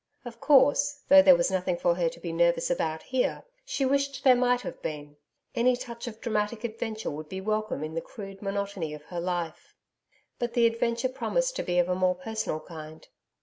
Of course, though, there was nothing for her to be nervous about here she wished there might have been. Any touch of dramatic adventure would be welcome in the crude monotony of her life. But the adventure promised to be of a more personal kind.